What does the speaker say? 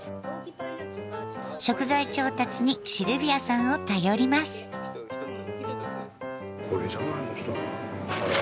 食材調達にシルビアさんを頼ります。